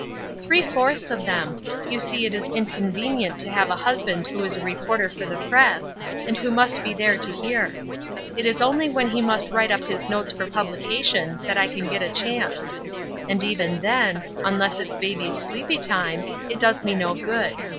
"Three fourths of them. You see it is inconvenient to have a husband who is reporter for the press, and who must be there to hear. It is only when he must write up his notes for publication that I can get a chance; and even then, unless it is baby's sleepy time, it does me no good.